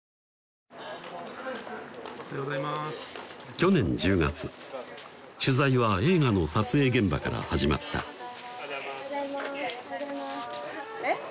去年１０月取材は映画の撮影現場から始まったおはようございますえっ？